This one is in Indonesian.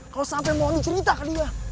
kalo sampe mondi cerita ke dia